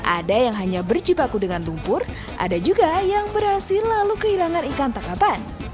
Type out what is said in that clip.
ada yang hanya berjibaku dengan lumpur ada juga yang berhasil lalu kehilangan ikan tangkapan